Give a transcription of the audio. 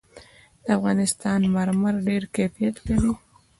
د افغانستان مرمر ډېر کیفیت لري.